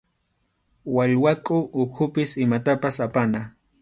Wallwakʼu ukhupi imapas apana.